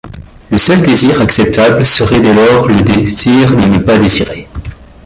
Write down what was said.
Le seul désir acceptable serait dès lors le désir de ne pas désirer.